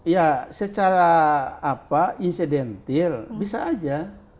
ya secara insidentil bisa aja